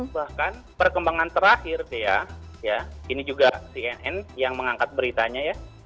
bahkan perkembangan terakhir dea ya ini juga cnn yang mengangkat beritanya ya